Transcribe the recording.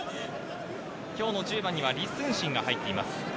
今日の１０番には李承信が入っています。